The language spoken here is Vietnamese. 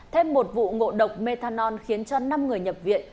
thêm một vụ ngộ độc methanol khiến cho năm người nhập viện